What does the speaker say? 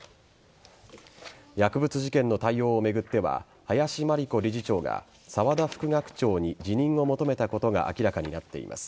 薬物事件の対応を巡っては林真理子理事長が沢田副学長に辞任を求めたことが明らかになっています。